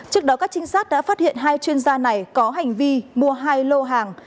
trước đó các trinh sát đã phát hiện hai chuyên gia này có hành vi mua hai lô hàng